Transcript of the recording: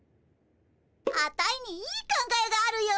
アタイにいい考えがあるよ。